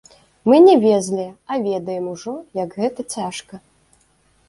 Мы не везлі, а ведаем ужо, як гэта цяжка.